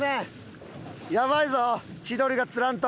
やばいぞ千鳥が釣らんと。